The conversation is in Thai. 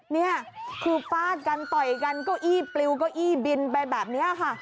เนี่ยคือฟาดกันต่อยกันก็อี้ปลิ๊วก็อี้บินไปแบบเนี่ยค่ะ